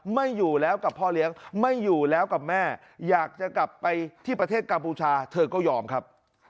ไม่อยู่แล้วกับพ่อเลี้ยงไม่อยู่แล้วกับแม่อยากจะกลับไปที่ประเทศกัมพูชาเธอก็ยอมครับ